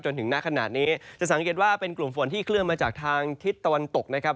ถึงหน้าขนาดนี้จะสังเกตว่าเป็นกลุ่มฝนที่เคลื่อนมาจากทางทิศตะวันตกนะครับ